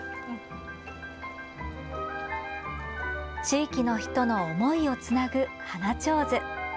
地域の人の思いをつなぐ花ちょうず。